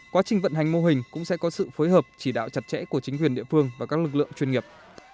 quá trình vận hành mô hình cũng sẽ có sự phối hợp chỉ đạo chặt chẽ của chính quyền địa phương và các lực lượng chuyên nghiệp